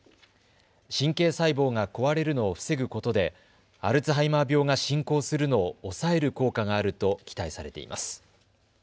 神経細胞が壊れるのを防ぐことでアルツハイマー病が進行するのを抑える効果があると期待されています。